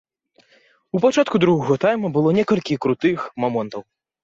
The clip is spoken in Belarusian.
У пачатку другога тайма было некалькі крутых момантаў.